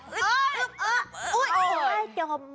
เหนื่อย